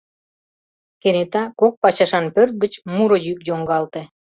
Кенета кок пачашан пӧрт гыч муро йӱк йоҥгалте.